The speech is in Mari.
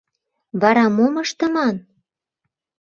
— Вара мом ыштыман?